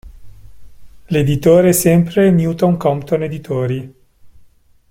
L'editore è sempre Newton Compton Editori.